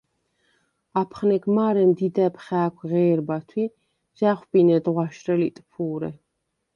აფხნეგ მა̄რემ დიდა̈ბ ხა̄̈ქვ ღე̄რბათვ ი ჟ’ა̈ხვბინედ ღვაშრე ლიტფუ̄რე.